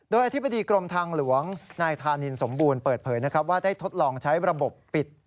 โดยอธิบดีกรมทางหลวงนายธานินสมบูรณ์เปิดเผยนะครับว่าได้ทดลองใช้ระบบปิด